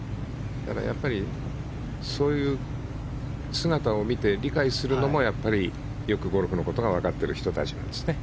やっぱりそういう姿を見て理解するのもよくゴルフのことがわかってる人たちなんですね。